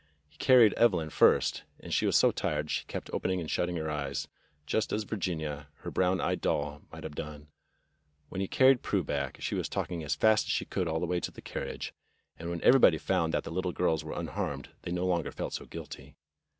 He carried Evelyn first, and she was so tired she kept opening and shutting her eyes, just as Vir ginia, her brown eyed doll, might have done. When he carried Prue back she was talking as fast as she could all the way to the carriage, and when every 68 THE BLUE AUNT body found that the little girls were unharmed they no longer felt so guilty.